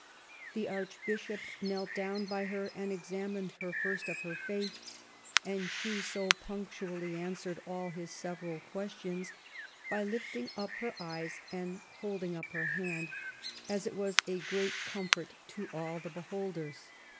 The Archbishop knelt down by her, and examined her first of her faith, and she so punctually answered all his several questions, by lifting up her eyes and holding up her hand, as it was a great comfort to all the beholders.